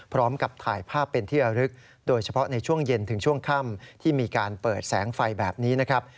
พร้อมกับถ่ายภาพเป็นที่ระลึกโดยเฉพาะในช่วงเย็นถึงช่วงค่ำที่มีการเปิดแสงไฟแบบนี้นะครับ